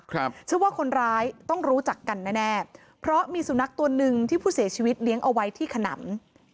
เชื่อว่าคนร้ายต้องรู้จักกันแน่แน่เพราะมีสุนัขตัวหนึ่งที่ผู้เสียชีวิตเลี้ยงเอาไว้ที่ขนำ